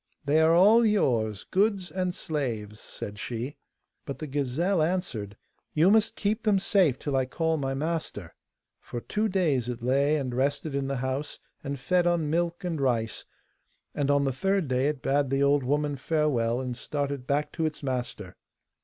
'They are all yours, goods and slaves,' said she. But the gazelle answered, 'You must keep them safe till I call my master.' For two days it lay and rested in the house, and fed on milk and rice, and on the third day it bade the old woman farewell and started back to its master.